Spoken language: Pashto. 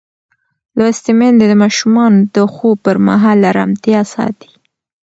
لوستې میندې د ماشومانو د خوب پر مهال ارامتیا ساتي.